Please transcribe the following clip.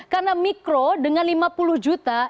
karena mikro dengan lima puluh juta